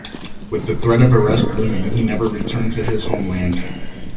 With the threat of arrest looming, he never returned to his homeland.